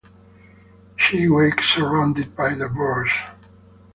She wakes surrounded by birds.